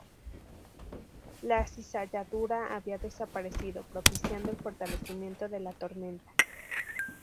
La cizalladura había desaparecido, propiciando el fortalecimiento de la tormenta.